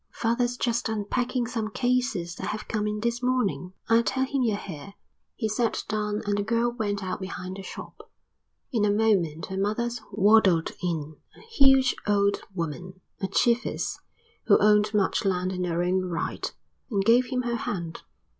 "Father's just unpacking some cases that have come in this morning. I'll tell him you're here." He sat down and the girl went out behind the shop. In a moment her mother waddled in, a huge old woman, a chiefess, who owned much land in her own right; and gave him her hand.